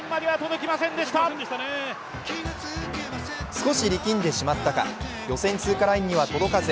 少し力んでしまったか、予選通過ラインには届かず。